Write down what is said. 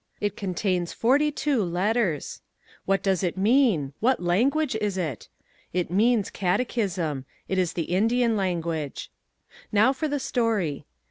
It contains forty two letters. What does it mean? What language is it? It means "catechism." It is the Indian language. Now for the story.